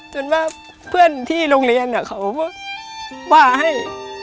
ว่าเพื่อนที่โรงเรียนเขาว่าให้